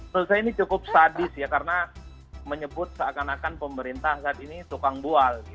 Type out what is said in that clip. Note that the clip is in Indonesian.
menurut saya ini cukup sadis ya karena menyebut seakan akan pemerintah saat ini tukang bual